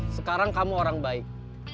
sekarang kamu orang baik